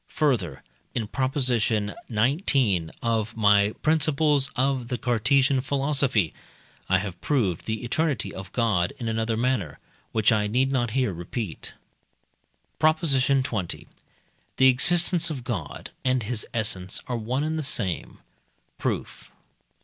Further (in Prop. xix. of my "Principles of the Cartesian Philosophy"), I have proved the eternity of God, in another manner, which I need not here repeat. PROP. XX. The existence of God and his essence are one and the same. Proof.